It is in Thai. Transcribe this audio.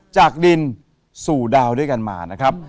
จากดินสู่ดาวด้วยกันมานะครับ